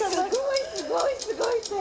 すごいすごい２人。